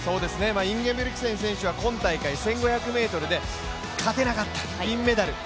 インゲブリクセン選手は今大会１５００ｍで勝てなかった、銀メダル。